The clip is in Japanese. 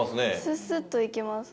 スッスッといけます。